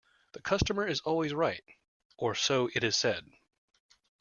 The customer is always right, or so it is said